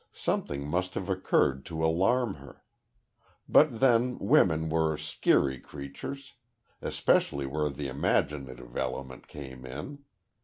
Something must have occurred to alarm her; but then women were "skeery" creatures especially where the imaginative element came in.